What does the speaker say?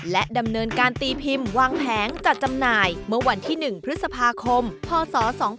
และดำเนินการตีพิมพ์วางแผงจัดจำหน่ายเมื่อวันที่๑พฤษภาคมพศ๒๕๖